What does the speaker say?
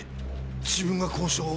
自分が交渉を？